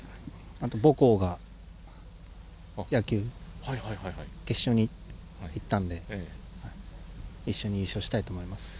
あと母校が野球、決勝に行ったんで一緒に優勝したいと思います。